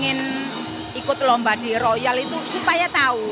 ingin ikut lomba di royal itu supaya tahu